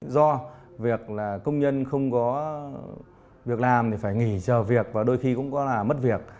do việc là công nhân không có việc làm thì phải nghỉ chờ việc và đôi khi cũng có là mất việc